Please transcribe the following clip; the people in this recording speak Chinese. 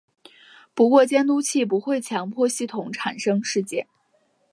不过监督器不会强迫系统产生事件。